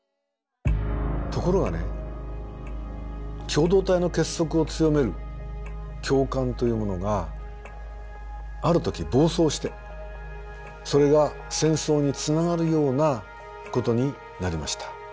ところがね共同体の結束を強める共感というものがある時暴走してそれが戦争につながるようなことになりました。